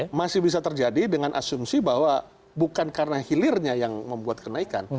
ini masih bisa terjadi dengan asumsi bahwa bukan karena hilirnya yang membuat kenaikan